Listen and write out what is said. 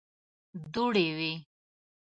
دوړې وې.